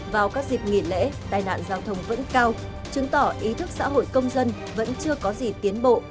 vào các dịp nghỉ lễ tai nạn giao thông vẫn cao chứng tỏ ý thức xã hội công dân vẫn chưa có gì tiến bộ